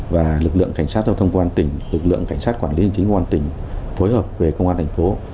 và lực lượng cảnh sát giao thông công an tỉnh lực lượng cảnh sát quản lý hành chính công an tỉnh phối hợp với công an thành phố